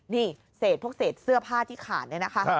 นี่เสร็จพวกเสื้อผ้าที่ขาดนี่นะคะ